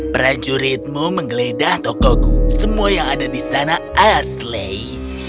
prajuritmu menggeledah tokoku semua yang ada di sana asli